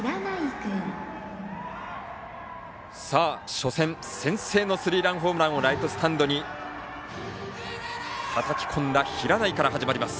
初戦、先制のスリーランホームランをライトスタンドにたたき込んだ平内から始まります。